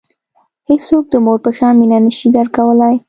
هیڅوک د مور په شان مینه نه شي درکولای.